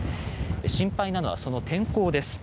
心配なのは、その天候です。